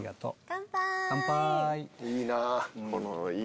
乾杯！